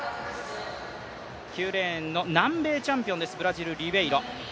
９レーンの南米チャンピオンですブラジル、リベイロ。